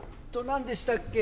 何でしたっけ？